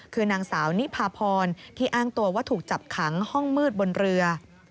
คือนางสาวนิพาพรที่อ้างตัวว่าถูกจับขังห้องมืดบนเรือ